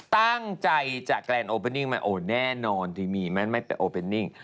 ตั้งใจจะแกรนโอเปอร์นิ่งมันโอ้แน่นอนที่มีมันไม่เป็นโอเปอร์นิ่ง